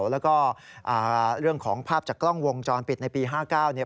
แล้วก็เรื่องของภาพจากกล้องวงจรปิดในปี๕๙เนี่ย